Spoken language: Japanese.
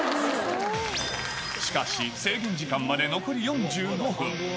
しかし、制限時間まで残り４５分。